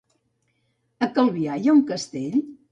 A Calvià hi ha un castell?